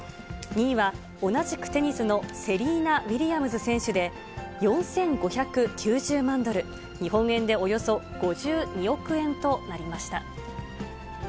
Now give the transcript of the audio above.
２位は同じくテニスのセリーナ・ウィリアムズ選手で、４５９０万ドル、日本円でおよそ５２億円となりました。